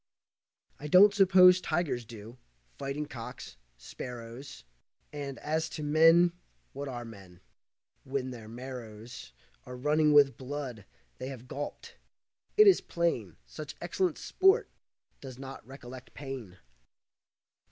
I don't suppose tigers do, fighting cocks, sparrows, And, as to men what are men, when their marrows Are running with blood they have gulped; it is plain Such excellent sport does not recollect pain.